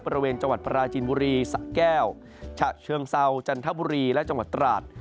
บริเวณจังหวัดปราจินบุรีสะแก้วฉะเชิงเซาจันทบุรีและจังหวัดตราด